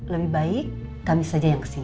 lebih baik kami saja yang kesini